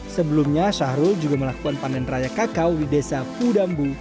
sebelumnya syahrul juga melakukan panen raya kakao di desa pudambu